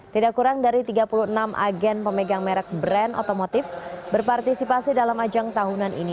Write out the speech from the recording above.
tidak kurang dari tiga puluh enam agen pemegang merek brand otomotif berpartisipasi dalam ajang tahunan ini